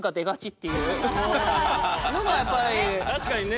確かにね。